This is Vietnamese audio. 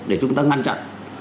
để chúng ta ngăn chặn